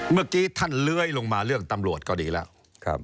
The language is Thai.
เมื่อกี้ท่านเลื้อยลงมาเรื่องตำรวจก็ดีแล้ว